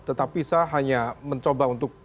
tetapi saya hanya mencoba untuk